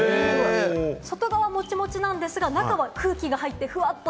外側はモチモチなんですが、中は空気が入って、ふわーっと。